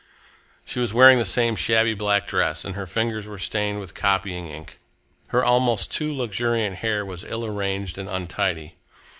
She was wearing the same shabby black dress and her fingers were stained with copying ink. Her almost too luxuriant hair was ill arranged and untidy.